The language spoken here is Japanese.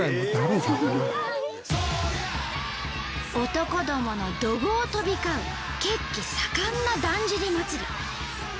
男どもの怒号飛び交う血気盛んなだんじり祭。